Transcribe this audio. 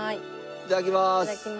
いただきます。